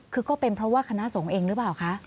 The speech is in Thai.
คือก็เป็นเพราะว่าคณะสงฆ์เองหรือเปล่าคะ